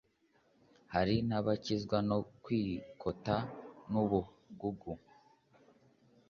Hari n’abakizwa no kwikota n’ubugugu,